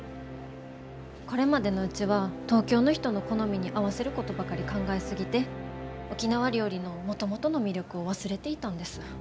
これまでのうちは東京の人の好みに合わせることばかり考え過ぎて沖縄料理のもともとの魅力を忘れていたんです。